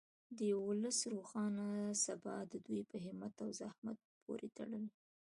د یو ولس روښانه سبا د دوی په همت او زحمت پورې تړلې.